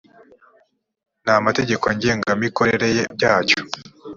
n’ amategeko ngengamikorere byacyo